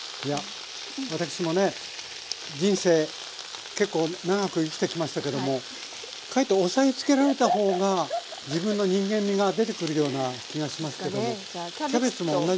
私もね人生結構長く生きてきましたけどもかえって押さえつけられたほうが自分の人間味が出てくるような気がしますけどもキャベツも同じですか？